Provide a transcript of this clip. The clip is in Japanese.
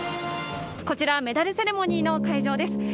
こちら、メダルセレモニーの会場です。